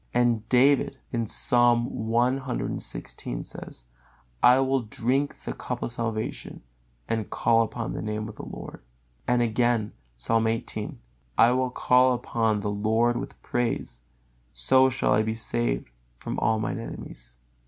And David, Psalm cxvi: "I will drink the cup of salvation, and call upon the Name of the Lord." Again, Psalm xviii: "I will call upon the Lord with praise: so shall I be saved from all mine enemies."